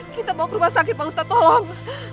kita bawa ke rumah sakit pak ustadz tolong